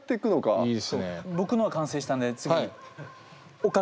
僕のは完成したんで次岡君です。